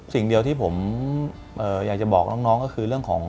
สิ่งเดียวที่ผมอยากจะบอกน้องก็คือ